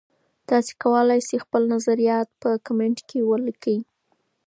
تاسي کولای شئ خپل نظریات په کمنټ کې ولیکئ.